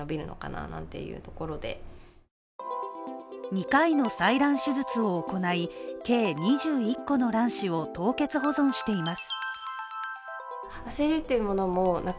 ２回の採卵手術を行い、計２１個の卵子を凍結保存しています。